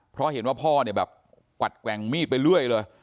เพราะเห็นว่าพ่อกวัดแกว่งมีดไปเรื่อยเลย